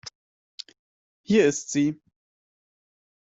Hier ist sie.